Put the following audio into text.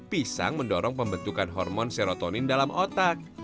pisang mendorong pembentukan hormon serotonin dalam otak